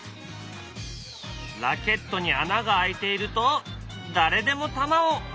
ラケットに穴が開いていると誰でも球を打ちにくくなる。